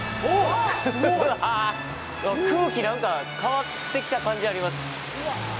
空気、なんか変わってきた感じあります。